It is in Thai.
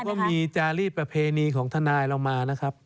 ก็มีจารีสประเพณีของทนายเรามานะครับ